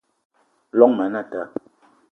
Llong ma anata